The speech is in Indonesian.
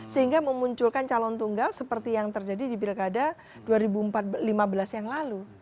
sehingga memunculkan calon tunggal seperti yang terjadi di pilkada dua ribu lima belas yang lalu